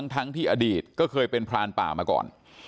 ทั้งที่อดีตก็เคยเป็นพรานป่ามาก่อน